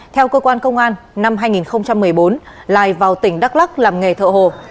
theo cơ quan công an năm hai nghìn một mươi bốn lai vào tỉnh đắk lắc làm nghề thợ hồ